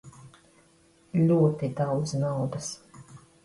Ļoti daudz naudas.